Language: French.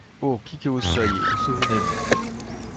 Oh! qui que vous soyez, vous souvenez-vous?